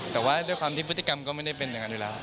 แต่ว่าด้วยความที่พฤติกรรมก็ไม่ได้เป็นอย่างนั้นอยู่แล้ว